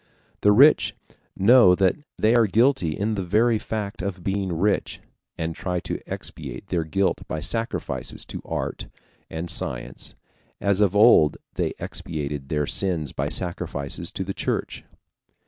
The rich know that they are guilty in the very fact of being rich, and try to expiate their guilt by sacrifices to art and science, as of old they expiated their sins by sacrifices to the Church.